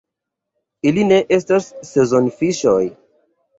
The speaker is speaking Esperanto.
Ili ne estas sezonfiŝoj.